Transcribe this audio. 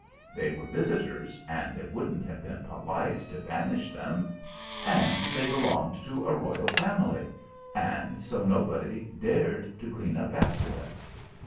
They were visitors, and it wouldn't have been polite to banish them; and they belonged to a royal family, and so nobody dared to clean up after them.